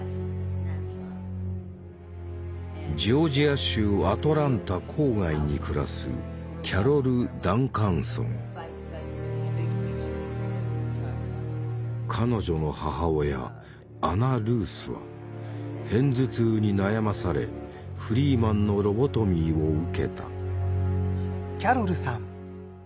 ジョージア州アトランタ郊外に暮らす彼女の母親アナ・ルースは偏頭痛に悩まされフリーマンのロボトミーを受けた。